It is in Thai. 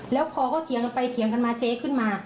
แล้วพอก็เถียงกันไปเถียงกันมาเจ๊ขึ้นมา